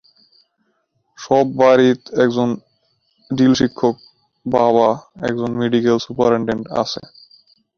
প্রতিটি বাড়িতে একজন ড্রিল প্রশিক্ষক, একজন বাবা, একজন মেডিকেল সুপারিনটেনডেন্ট রয়েছে।